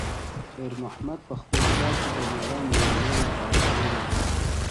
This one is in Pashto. خیر محمد په خپل کار کې د میړانې یو نوی تعریف وموند.